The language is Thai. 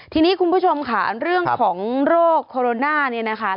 ทีนี้คุณผู้ชมค่ะเรื่องของโรคโคโรนา